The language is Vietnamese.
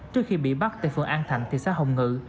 trước khi bị bắt tại phường an thạnh thị xã hồng ngự